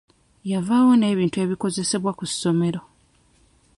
Yavaawo n'ebintu ebikozesebwa ku ssomero.